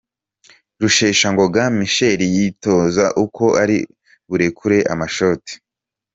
Rusheshangoga Michel yitoza uko ari burekure amashoti.